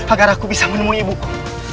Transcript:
agar aku bisa menemui ibuku